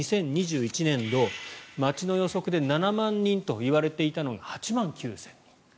２０２１年度町の予測で７万人と言われていたのが８万９０００人。